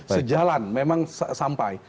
sejalan memang sampai